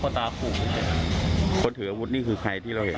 ผู้ถืออาวุธคลิกดลงนี้ก็เป็นใครที่เราเห็น